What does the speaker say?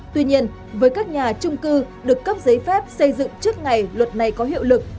tuy nhiên với các nhà trung cư được cấp giấy phép xây dựng trước ngày luật này có hiệu lực